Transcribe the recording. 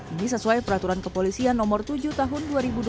ini sesuai peraturan kepolisian nomor tujuh tahun dua ribu dua puluh satu